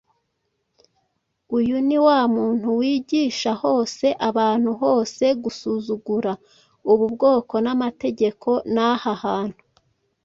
Uyu ni wa muntu wigisha hose abantu bose gusuzugura ubu bwoko n’amategeko n’aha hantu